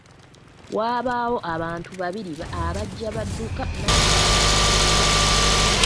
Wabaawo abantu babiri abajja badduka naye saabategeera.